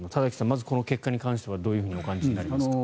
まずこの結果についてはどうお感じになりますか？